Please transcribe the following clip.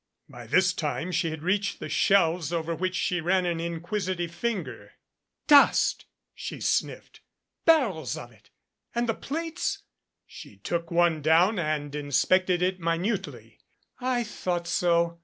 By this time she had reached the shelves over which she ran an inquisitive finger. "Dust!" she sniffed. "Barrels of it! and the plates 45 MADCAP ?" She took one down and inspected it minutely. "I thought so.